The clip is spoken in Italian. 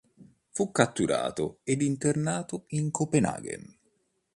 Fu catturato ed internato in Copenaghen.